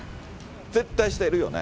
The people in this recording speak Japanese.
絶対してるよね？